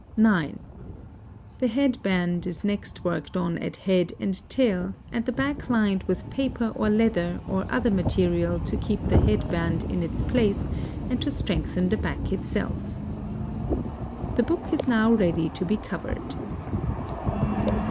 (9) The head band is next worked on at head and tail, and the back lined with paper or leather or other material to keep the head band in its place and to strengthen the back itself. The book is now ready to be covered.